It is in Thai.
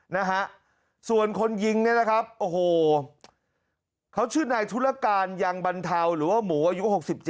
นะฮะส่วนคนยิงเนี่ยนะครับโอ้โหเขาชื่อนายธุรการยังบรรเทาหรือว่าหมูอายุ๖๗